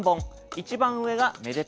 一番上がめでたく